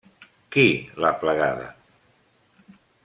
Qui l'ha aplegada?